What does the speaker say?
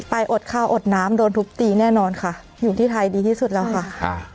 อดข้าวอดน้ำโดนทุบตีแน่นอนค่ะอยู่ที่ไทยดีที่สุดแล้วค่ะอ่า